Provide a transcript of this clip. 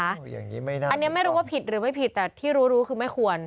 อันนี้ไม่รู้ว่าผิดหรือไม่ผิดแต่ที่รู้คือไม่ควร